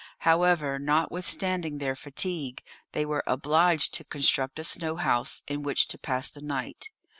However, notwithstanding their fatigue, they were obliged to construct a snow house in which to pass the night.